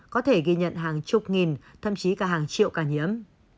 có thể ghi nhận hàng chục nghìn thậm chí cả hàng triệu ca nhiễm